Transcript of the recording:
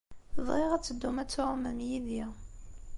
Bɣiɣ ad d-teddum ad tɛumem yid-i.